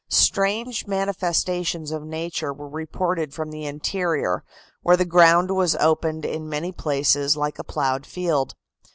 Strange manifestations of nature were reported from the interior, where the ground was opened in many places like a ploughed field.